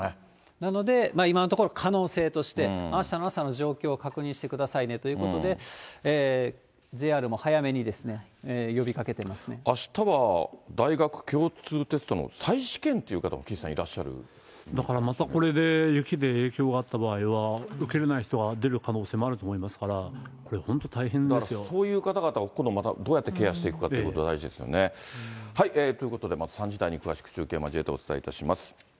なので、今のところ、可能性として、あしたの朝の状況を確認してくださいねということで、あしたは、大学共通テストの再試験という方も、岸さん、だからまたこれで、雪で影響があった場合は、受けれない方が出る可能性もあると思いますから、これ本当、大変そういう方々を今度また、どうやってケアしていくかということも大事ですよね。ということで、また３時台に詳しく、中継交えてお伝えいたします。